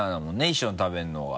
一緒に食べるのが。